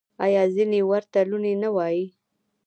آیا ځینې ورته لوني نه وايي؟